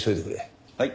はい。